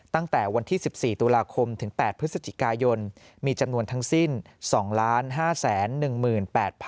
ตั้งแต่วันที่๑๔ตุลาคมถึง๘พฤศจิกายนมีจำนวนทั้งสิ้น๒๕๑๘๐๐๐